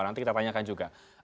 nanti kita tanyakan juga